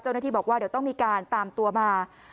เจ้าหน้าที่บอกว่าเดี๋ยวต้องมีการตามตัวมา